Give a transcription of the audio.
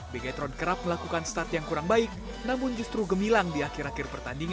beachtron kerap melakukan start yang kurang baik namun justru gemilang di akhir akhir pertandingan